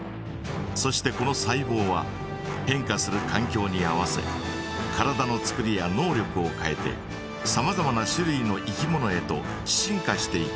そしてこの細ぼうは変化するかん境に合わせ体の作りや能力を変えてさまざまな種類のいきものへと進化していきました。